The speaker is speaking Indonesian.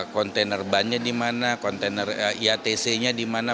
kontainer bannya di mana kontainer iatc nya di mana